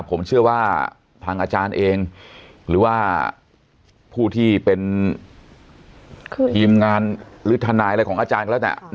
ผมเชื่อว่าทางอาจารย์เองหรือว่าผู้ที่เป็นทีมงานหรือทนายอะไรของอาจารย์ก็แล้วแต่